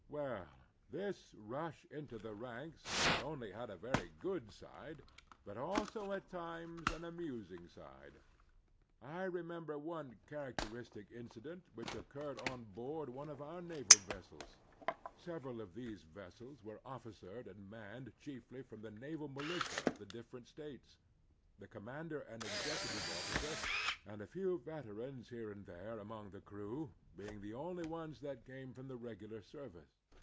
Well, this rush into the ranks not only had a very good side, but also at times an amusing side. I remember one characteristic incident which occtirred on board one of our naval vessels. Sev eral of these vessels were officered and manned chiefly from the naval militia of the different States, the commander and executive officer, and a few veterans here and there among the crew, being the only ones that came from the regular service.